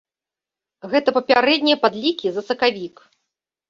Гэта папярэднія падлікі за сакавік.